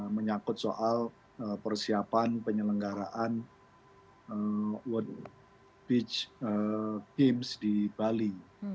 menyakut soal persiapan penyelenggaraan wood beach games di bali